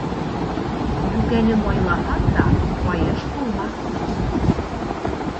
Йүкәне майлаһаң да ҡайыш булмаҫ.